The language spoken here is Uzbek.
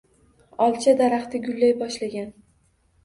Olcha daraxti gullay boshlagan.